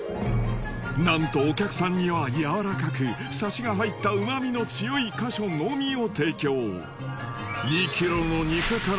なんとお客さんにはやわらかくサシが入った旨味の強い箇所のみを提供たった